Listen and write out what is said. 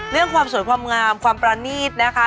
เรื่องความสวยความงามความประนีตนะคะ